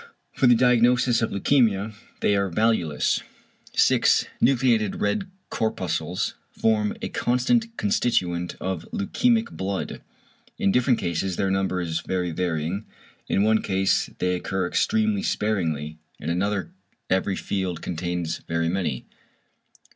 For the diagnosis of leukæmia they are valueless. 6. =Nucleated red corpuscles= form a constant constituent of leukæmic blood. In different cases their number is very varying; in one case they occur extremely sparingly, in another every field contains very many.